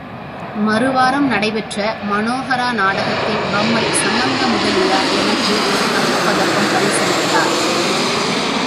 மறுவாரம் நடை பெற்ற மனோஹரா நாடகத்தில் பம்மல் சம்பந்தமுதலியார் எனக்கு ஒரு தங்கப்பதக்கம் பரிசளித்தார்.